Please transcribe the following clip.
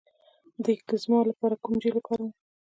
د اکزیما لپاره کوم جیل وکاروم؟